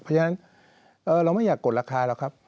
เพราะฉะนั้นเราไม่อยากกดราคาหรอกครับ